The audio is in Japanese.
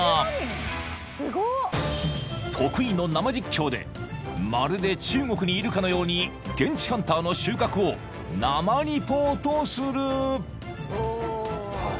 ［得意の生実況でまるで中国にいるかのように現地ハンターの収穫を生リポートする］